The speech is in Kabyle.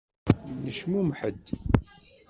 Necmumeḥ-d.